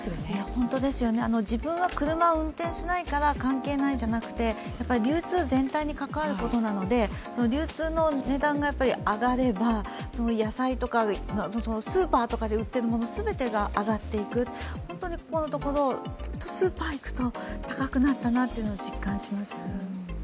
本当ですよね、自分は車を運転しないから関係ないじゃなくて、流通全体の関わることなので流通の値段が上がれば野菜とか、スーパーとかで売っているもの全てが上がっていく、本当にここのところスーパー行くと高くなったなというのを実感します。